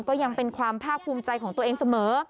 ก็ยังเป็นความภาคภูมิใจของตัวเองเสมอ